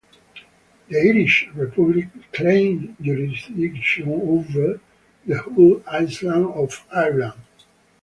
The Irish Republic claimed jurisdiction over the whole island of Ireland.